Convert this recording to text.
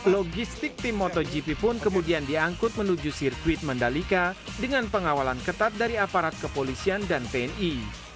logistik tim motogp pun kemudian diangkut menuju sirkuit mandalika dengan pengawalan ketat dari aparat kepolisian dan tni